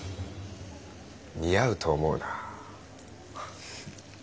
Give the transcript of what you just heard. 似合うと思うな。